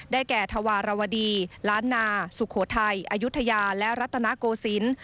แก่ธวารวดีล้านนาสุโขทัยอายุทยาและรัตนโกศิลป์